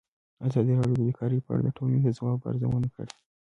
ازادي راډیو د بیکاري په اړه د ټولنې د ځواب ارزونه کړې.